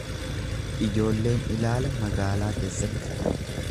Ijoolleen ilaala magaalaa keessatti.